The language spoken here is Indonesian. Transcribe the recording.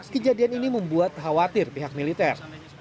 kejadian ini membuat khawatir pihak militer